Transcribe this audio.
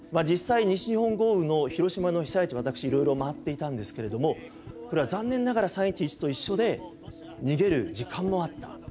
実際西日本豪雨の広島の被災地私いろいろ回っていたんですけれどもこれは残念ながら３．１１と一緒で逃げる時間もあった。